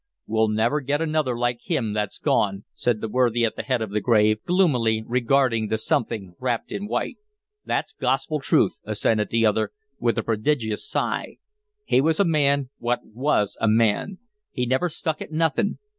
"We'll never get another like him that's gone," said the worthy at the head of the grave, gloomily regarding the something wrapped in white. "That's gospel truth," assented the other, with a prodigious sigh. "He was a man what was a man. He never stuck at nothing.